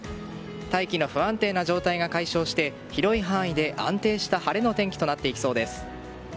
大気の不安定な状態が解消して広い範囲で、安定した晴れの天気となっていきそうです。